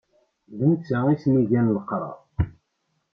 D netta i sen-igan leqrar.